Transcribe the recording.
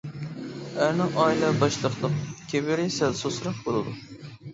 ئەرنىڭ ئائىلە باشلىقلىق كىبىرى سەل سۇسراق بولىدۇ.